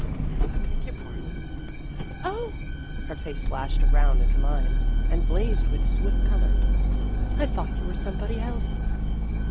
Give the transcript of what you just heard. " I beg your pardon." " Oh !" her face flashed around into mine, and blazed with swift color. " I thought you were somebody else."